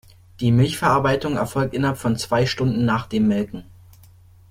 Die Milchverarbeitung erfolgt innerhalb von zwei Stunden nach dem Melken.